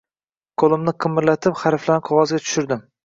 Qo’limni qimirlatib, harflarni qog’ozga tushirdim.